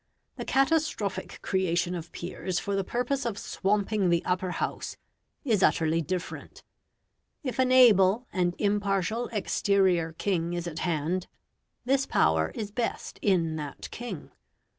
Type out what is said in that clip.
The catastrophic creation of peers for the purpose of swamping the Upper House is utterly different. If an able and impartial exterior king is at hand, this power is best in that king.